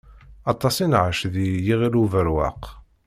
Aṭas i nɛac di Yiɣil Ubeṛwaq.